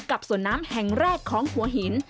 กับสวนน้ำแห่งแรกของหัวหิน